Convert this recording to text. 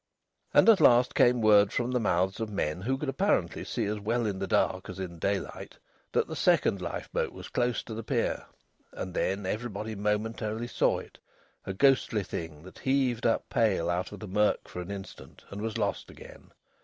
And at last came word from the mouths of men who could apparently see as well in the dark as in daylight, that the second lifeboat was close to the pier. And then everybody momentarily saw it a ghostly thing that heaved up pale out of the murk for an instant, and was lost again.